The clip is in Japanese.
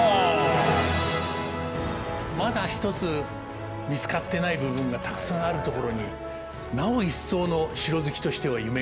まだ一つ見つかってない部分がたくさんあるところになお一層の城好きとしては夢があると。